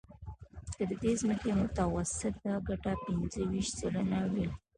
که د دې ځمکې متوسطه ګټه پنځه ویشت سلنه وي